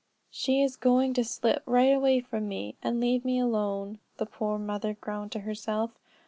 "She is going to slip right away from me, and leave me alone," the poor mother groaned to herself.